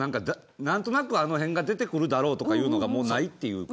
何となくあの辺が出てくるだろうとかというのが、ないというか。